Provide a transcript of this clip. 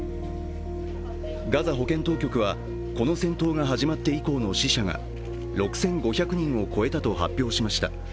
ガザ保健当局は、この戦闘が始まって以降の死者が６５００人を超えたと発表しました。